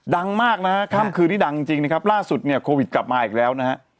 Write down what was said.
ดังมากนะฮะค่ำคืนนี้ดังจริงนะครับล่าสุดเนี่ยโควิดกลับมาอีกแล้วนะฮะ